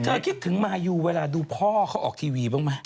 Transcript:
คิดถึงมายูเวลาดูพ่อเขาออกทีวีบ้างไหม